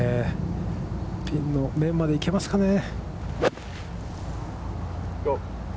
ピンの面まで行けますかね。